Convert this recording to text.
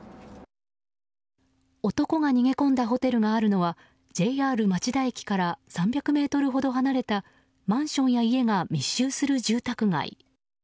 男が逃げ込んだホテルがあるのはＪＲ町田駅から３００ｍほど離れたマンションや家が密集する住宅街。